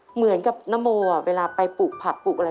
เหมือนกับนโมเวลาไปปลูกผักปลูกอะไร